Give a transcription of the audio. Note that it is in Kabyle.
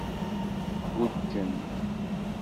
Guǧǧent.